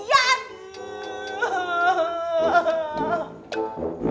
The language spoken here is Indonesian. jangan lebih takut sendirian